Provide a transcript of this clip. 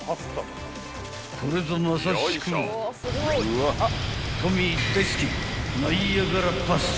［これぞまさしくトミー大好きナイアガラパスタ］